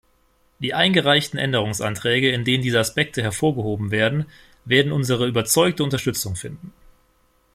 Die eingereichten Änderungsanträge, in denen diese Aspekte hervorgehoben werden, werden unsere überzeugte Unterstützung finden.